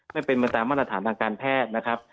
ไม่เป็นไปตามมาตรฐานทางการแพทย์นะครับ